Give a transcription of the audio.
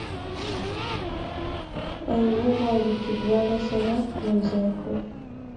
او وغواړو چې دواړه سره یو ځای کړو.